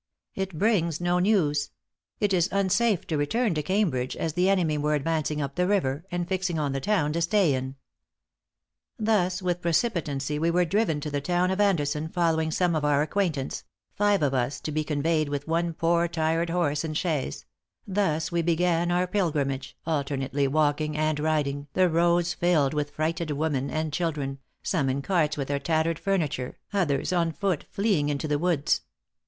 [It] brings no news. It is unsafe to return to Cambridge, as the enemy were advancing up the river, and fixing on the town to stay in. "Thus with precipitancy we were driven to the town of Anderson, following some of our acquaintance five of us to be conveyed with one poor tired horse and chaise; thus we began our pilgrimage, alternately walking and riding, the roads filled with frighted women and children; some in carts with their tattered furniture, others on foot fleeing into the woods.